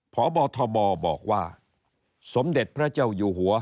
พบทบบอกว่าสมเด็จพระเจ้าอยู่หัว